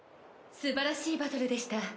すばらしいバトルでした。